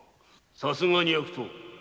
さすがに悪党。